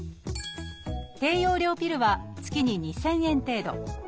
低用量ピルは月に２，０００円程度。